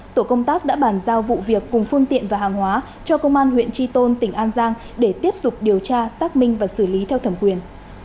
tổ công tác đã bàn giao vụ việc cùng phương tiện và hàng hóa cho công an huyện tri tôn tỉnh an giang để tiếp tục điều tra xác minh và xử lý theo thẩm quyền